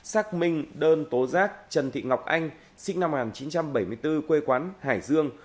xác minh đơn tố giác trần thị ngọc anh sinh năm một nghìn chín trăm bảy mươi bốn quê quán hải dương